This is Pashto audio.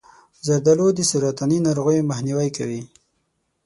زردآلو د سرطاني ناروغیو مخنیوی کوي.